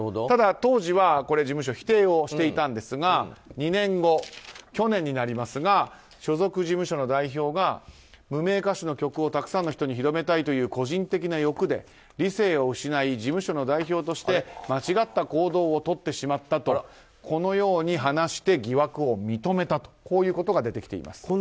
ただ、当時は事務所は否定をしていたんですが２年後去年になりますが所属事務所の代表が無名歌手の曲をたくさんの人に広めたいという個人的な欲で理性を失い事務所の代表として間違った行動をとってしまったとこのように話して疑惑を認めたということが出てきています。